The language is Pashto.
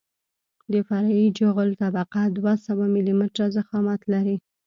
د فرعي جغل طبقه دوه سوه ملي متره ضخامت لري